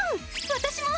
私も！